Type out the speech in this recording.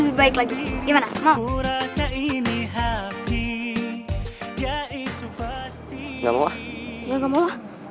lebih baik lagi gimana mau rasa ini hati dia itu pasti enggak mau enggak mau